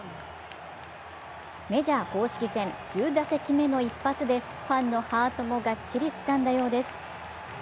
メジャー公式戦１０打席目の一発でファンのハートもがっちりつかんだようです。